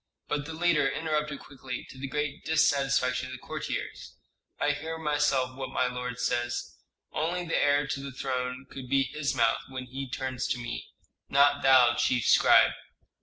But the leader interrupted quickly, to the great dissatisfaction of the courtiers, "I hear myself what my lord says. Only the heir to the throne could be his mouth when he turns to me; not thou, chief scribe."